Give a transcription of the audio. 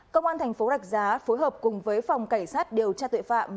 công an thành phố rạch giá phối hợp cùng với phòng cảnh sát điều tra tội phạm